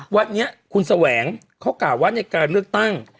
วันนี้คุณแสวงเขากล่าวว่าในการเลือกตั้ง